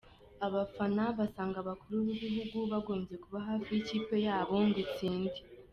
Abafana basanga abakuru b'ibihugu bagombye kuba hafi y'ikipe yabo ngo itsinde!!!!.